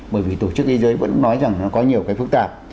bởi vì tổ chức y tế vẫn nói rằng nó có nhiều cái phức tạp